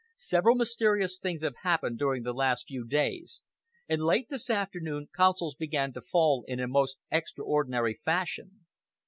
"Several mysterious things have happened during the last few days, and late this afternoon, consols began to fall in a most extraordinary fashion.